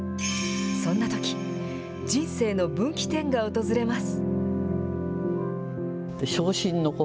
そんなとき、人生の分岐点が訪れます。